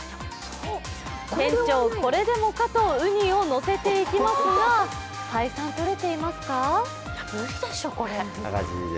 店長、これでもかと、うにをのせていきますが、採算取れていますか？